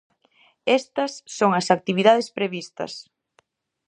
Estas son as actividades previstas: